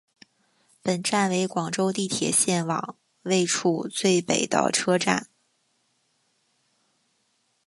本站为广州地铁线网位处最北的车站。